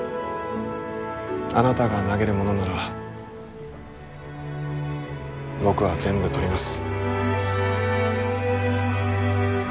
あなたが投げるものなら僕は全部取ります。